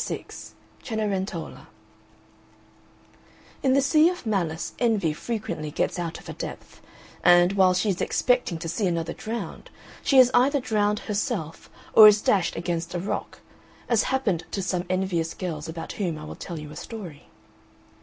VI CENERENTOLA In the sea of malice envy frequently gets out of her depth; and, while she is expecting to see another drowned, she is either drowned herself, or is dashed against a rock, as happened to some envious girls, about whom I will tell you a story.